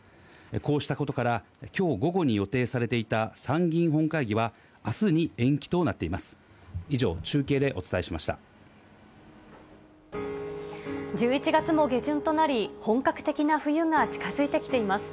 こうしたことから、きょう午後に予定されていた参議院本会議はあすに延期となっています。